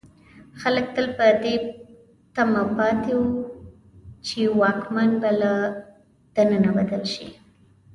خلک تل په دې تمه پاتې وو چې واکمن به له دننه بدل شي.